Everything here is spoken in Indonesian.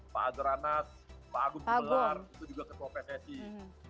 pak aduranas pak agung pemelar itu juga ketua pssi